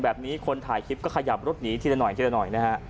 แบบนี้คนถ่ายคลิปก็ขยับรถหนีทีละหน่อยนะฮะ